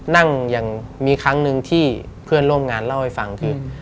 ยังมีครั้งหนึ่งที่เพื่อนร่วมงานเล่าให้ฟังคือ